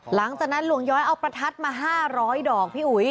หลังจากนั้นหลวงย้อยเอาประทัดมา๕๐๐ดอกพี่อุ๋ย